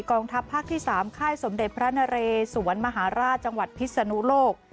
ทัพภาคที่๓ค่ายสมเด็จพระนเรสวนมหาราชจังหวัดพิศนุโลก